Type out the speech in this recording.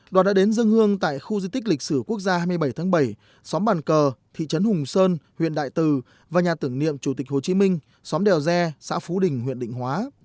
đoàn đã đến dân hương tại khu di tích lịch sử quốc gia hai mươi bảy tháng bảy xóm bàn cờ thị trấn hùng sơn huyện đại từ và nhà tưởng niệm chủ tịch hồ chí minh xóm đèo de xã phú đình huyện định hóa